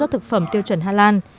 thực phẩm tiêu chuẩn hà lan